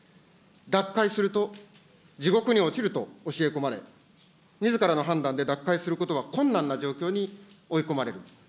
奪回すると、地獄に落ちると教え込まれ、みずからの判断で奪回することは困難な状況に追い込まれる。